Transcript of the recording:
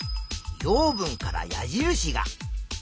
養分から矢印が。